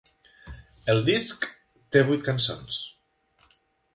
El disc té vuit cançons.